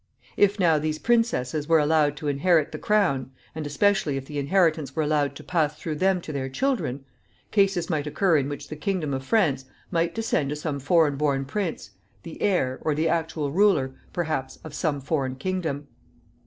If, now, these princesses were allowed to inherit the crown, and, especially, if the inheritance were allowed to pass through them to their children, cases might occur in which the kingdom of France might descend to some foreign born prince, the heir, or the actual ruler, perhaps, of some foreign kingdom.